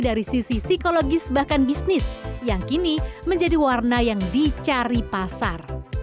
dari sisi psikologis bahkan bisnis yang kini menjadi warna yang dicari pasar